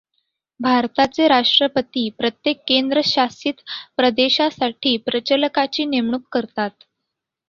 भारताचे राष्ट्रपती प्रत्येक केंद्रशासित प्रदेशासाठी प्रचालकाची नेमणूक करतात.